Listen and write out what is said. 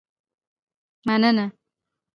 مننه